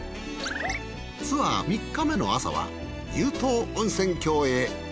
ツアー３日目の朝は乳頭温泉郷へ。